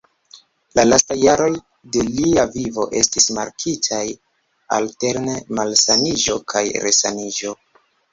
La lastaj jaroj de lia vivo estis markitaj alterne malsaniĝo kaj resaniĝo.